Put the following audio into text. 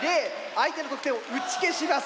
相手の得点を打ち消します。